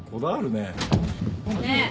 ねえ。